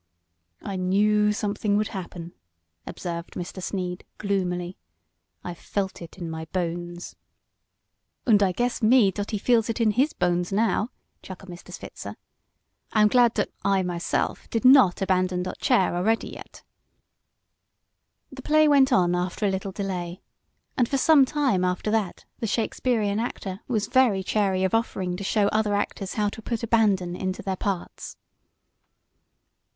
"I knew something would happen!" observed Mr. Sneed, gloomily. "I felt it in my bones." "Und I guess me dot he veels it in his bones, now," chuckled Mr. Switzer. "I am glat dot I, myself, did not abandon dot chair alretty yet." The play went on after a little delay, and for some time after that the Shakespearean actor was very chary of offering to show other actors how to put "abandon" into their parts.